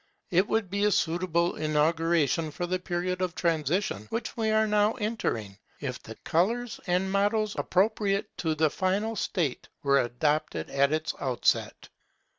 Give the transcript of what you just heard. It would be a suitable inauguration of the period of transition which we are now entering, if the colours and mottoes appropriate to the final state were adopted at its outset.